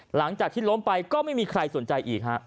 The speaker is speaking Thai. หลังจากที่ล้มไปก็ไม่มีใครสนใจอีกฮะ